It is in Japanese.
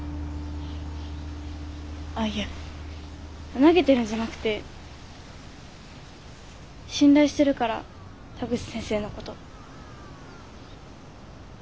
あっいや投げてるんじゃなくて信頼してるから田口先生の事。